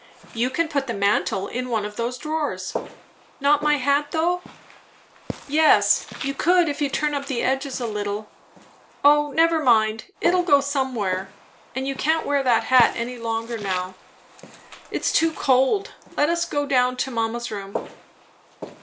"You can put the mantle in one of those drawers." "Not my hat, though." "Yes, you could, if you turn up the edges a little. O never mind; it'll go somewhere, and you can't wear that hat any longer now. It's too cold. Let us go down to mamma's room."